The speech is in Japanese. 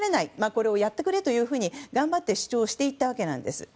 これをやってくれと頑張って主張したわけです。